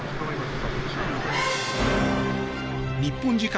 日本時間